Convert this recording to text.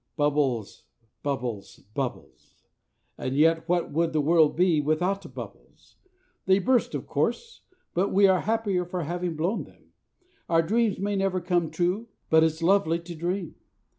Bubbles; bubbles; bubbles; and yet what would the world be without bubbles? They burst, of course; but we are the happier for having blown them! Our dreams may never come true; but it's lovely to dream!